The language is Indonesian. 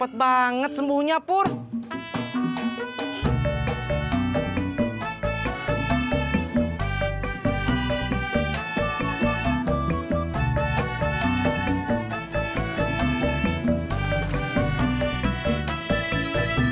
uh yang mungkin